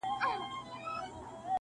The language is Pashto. غربته ستا په شتون کي وسوه په ما,